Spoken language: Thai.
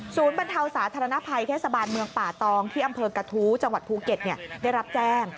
บรรเทาสาธารณภัยเทศบาลเมืองป่าตองที่อำเภอกระทู้จังหวัดภูเก็ตได้รับแจ้ง